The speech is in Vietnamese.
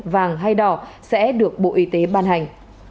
vàng hay đỏ sẽ được bộ y tế ban hành